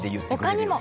他にも。